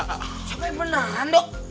sampai beneran dong